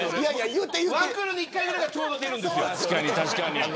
１クールに１回ぐらいがちょうど出るんですよ。